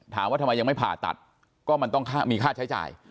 ถามว่าทำไมยังไม่ผ่าตัดก็มันต้องมีค่าใช้จ่าย